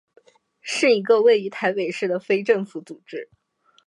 是一个位于台北市的非政府组织。